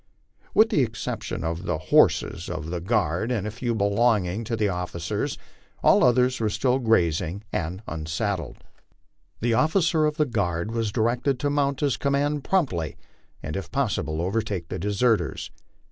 With the exception of the horses of the guard MY LIFE OX THE PLAINS. 73 and a few belonging to the officers, all others were still grazing anil unsaddled. The officer of the guard was directed to mount his command promptly, and if possible overtake the deserters.